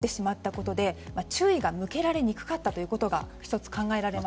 だらだら降ってしまったことで注意が向けられにくかったということが１つ考えられます。